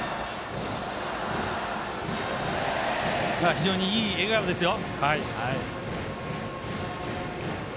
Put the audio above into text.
非常にいい笑顔ですよ。